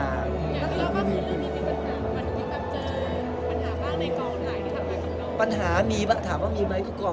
แล้วก็คือมีปัญหาบ้างในกองอื่นหลายที่ถามมากับน้อง